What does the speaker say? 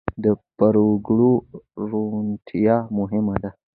د پرېکړو روڼتیا مهمه ده